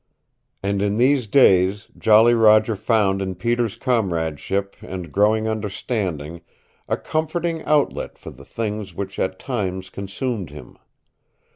And in these days Jolly Roger found in Peter's comradeship and growing understanding a comforting outlet for the things which at times consumed him.